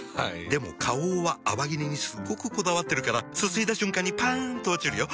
でも花王は泡切れにすっごくこだわってるからすすいだ瞬間にパン！と落ちるよ。